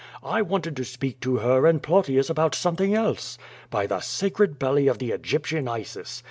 I wanted to speak to her and Plautius about something else! By the sacred belly of the Egyptian Isis!